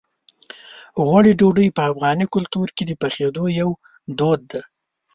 غوړي ډوډۍ په افغاني کلتور کې د پخېدو یو دود دی.